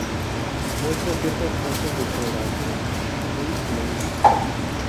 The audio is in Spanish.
Muestra ciertas manchas de coloración azul en la ingle.